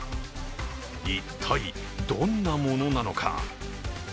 一体、どんなものなのか。